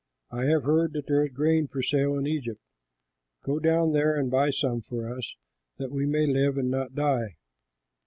I have heard that there is grain for sale in Egypt; go down there and buy some for us, that we may live and not die."